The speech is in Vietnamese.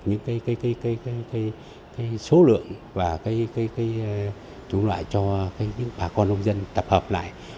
những cây số lượng và trụ loại cho những bà con nông dân tập hợp lại